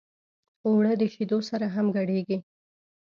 اوړه د شیدو سره هم ګډېږي